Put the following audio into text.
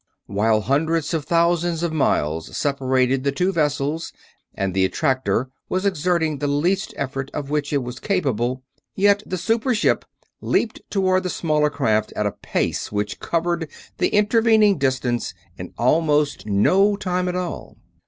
While hundreds of thousands of miles separated the two vessels and the attractor was exerting the least effort of which it was capable, yet the super ship leaped toward the smaller craft at a pace which covered the intervening distance in almost no time at all.